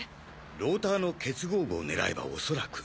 ローターの結合部を狙えば恐らく。